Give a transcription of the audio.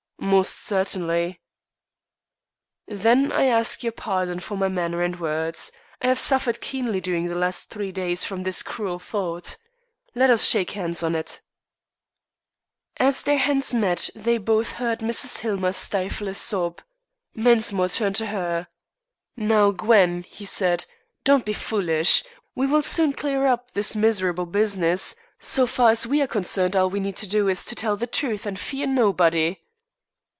"Most certainly." "Then I ask your pardon for my manner and words. I have suffered keenly during the last three days from this cruel thought. Let us shake hands on it." As their hands met they both heard Mrs. Hillmer stifle a sob. Mensmore turned to her. "Now, Gwen," he said, "don't be foolish. We will soon clear up this miserable business. So far as we are concerned, all we need to do is to tell the truth and fear nobody."